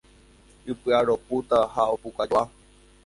Ipy'aropúta ha opukajoa